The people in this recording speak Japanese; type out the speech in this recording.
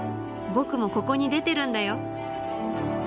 僕もここに出てるんだよ！